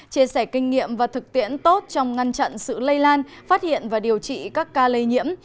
chia sẻ kinh nghiệm và thực tiễn tốt trong ngăn chặn sự lây lan phát hiện và điều trị các ca lây nhiễm